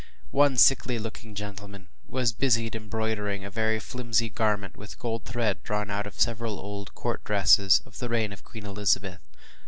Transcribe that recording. One sickly looking gentleman was busied embroidering a very flimsy garment with gold thread drawn out of several old court dresses of the reign of Queen Elizabeth.